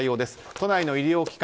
都内の医療機関